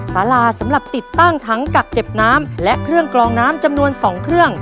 สาราสำหรับติดตั้งทั้งกักเก็บน้ำและเครื่องกลองน้ำจำนวน๒เครื่อง